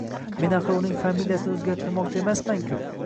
Men axir uning familiyasini oʻzgartirmoqchi emasman-ku!